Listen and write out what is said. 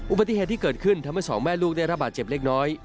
อุบัติเหตุที่เกิดขึ้นทำให้สองแม่ลูกได้ระบาดเจ็บเล็กน้อย